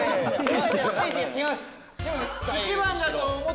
ステージが違います。